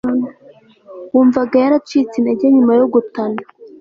wumvaga yaracitse intege nyuma yo gutana